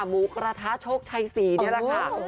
งูกะทะชกชัยศรีเนี่ยละค่ะ